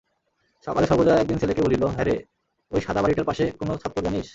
সকালে সর্বজয়া একদিন ছেলেকে বলিল, হ্যারে, ওই সাদা বাড়িটার পাশে কোন ছত্তর জানিস?